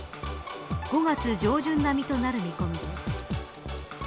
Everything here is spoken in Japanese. ５月上旬並みとなる見込みです。